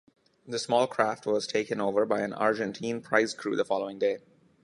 The small craft was taken over by an Argentine prize crew the following day.